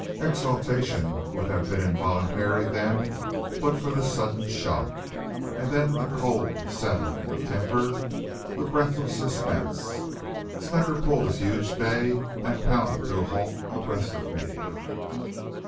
Exultation would have been involuntary then but for the sudden shock, and then the cold settling of temper, the breathless suspense. Snecker pulled his huge bay and pounded to halt abreast of me.